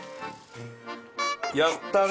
やったね！